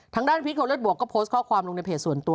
ทางด้านพิจารณอธงษ์รัฐบวกก็โพสต์ข้อความลงในเผจะส่วนตัว